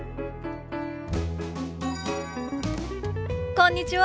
こんにちは。